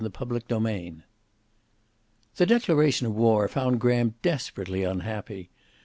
CHAPTER XXXIII The declaration of war found Graham desperately unhappy.